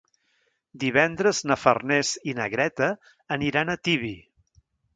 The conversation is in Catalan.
Divendres na Farners i na Greta aniran a Tibi.